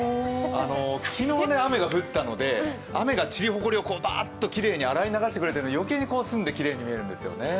昨日、雨が降ったので、雨が散りほこりを洗い流してくれて余計に澄んできれいに見えるんですよね。